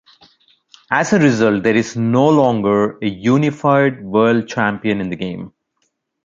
As a result, there is no longer a unified World Champion in the game.